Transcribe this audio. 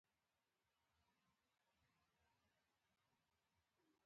اوسېدونکي د سيلابونو او د باراني